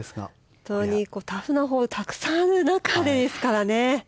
本当にタフなホールがたくさんある中ですからね。